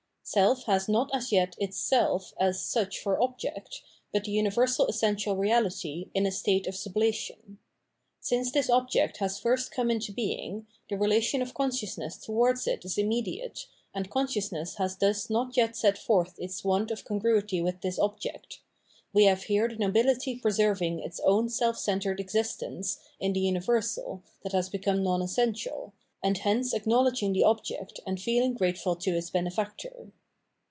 Self has not as yet its self as such for object, but the universal essential reality in a state of sublation. Since this object has first come into being, the relation of con sciousness towards it is immediate, and consciousness has thus not yet set forth its want of congruity with this object: we have here the nobility preserving its own self centred existence in the universal that has become non essential, and hence acknowledging the object and feeling grateful to its benefactor.